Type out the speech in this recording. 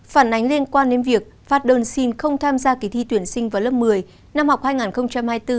phản ánh liên quan đến việc phát đơn xin không tham gia kỳ thi tuyển sinh vào lớp một mươi năm học hai nghìn hai mươi hai nghìn hai mươi bốn